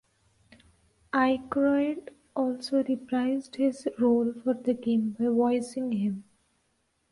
Aykroyd also reprised his role for the game by voicing him.